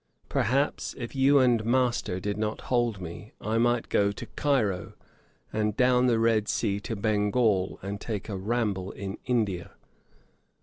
Perhaps, if you and master did not hold me, I might go to Cairo, and down the Red Sea to Bengal, and take a ramble in India.